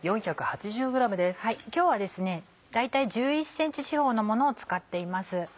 今日は大体１１ｃｍ四方のものを使っています。